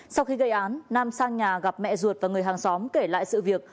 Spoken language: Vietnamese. sau khi gây án nam sang nhà gặp mẹ ruột và người hàng xóm kể lại sự việc